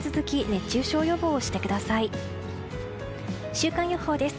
週間予報です。